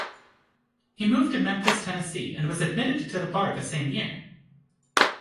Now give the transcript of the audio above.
He moved to Memphis, Tennessee, and was admitted to the bar the same year.